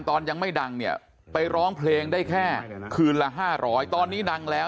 ตอนยังไม่ดังเนี่ยไปร้องเพลงได้แค่คืนละ๕๐๐ตอนนี้ดังแล้ว